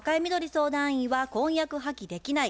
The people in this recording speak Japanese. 相談員は「婚約破棄できない」